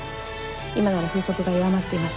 今なら風速が弱まっています。